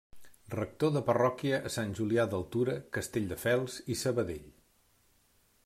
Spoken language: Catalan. Rector de parròquia a Sant Julià d'Altura, Castelldefels i Sabadell.